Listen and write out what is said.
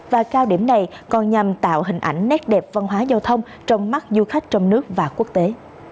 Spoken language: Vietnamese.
và cao điểm này còn nhằm tạo hình ảnh nét đẹp văn hóa giao thông trong mắt du khách trong nước và quốc tế